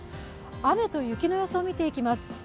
雨と雪の予想を見ていきます。